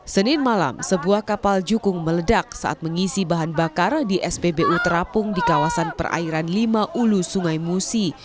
senin malam sebuah kapal jukung meledak saat mengisi bahan bakar di spbu terapung di kawasan perairan lima ulu sungai musi